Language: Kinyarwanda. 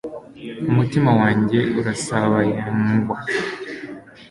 umutima wanjye urasabayangwa